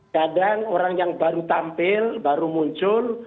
kadang orang yang baru tampil baru muncul